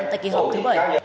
tại kỳ họp thứ bảy